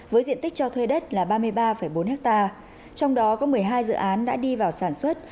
với diện tích cho thuê đất là ba mươi ba bốn ha trong đó có một mươi hai dự án đã đi vào sản xuất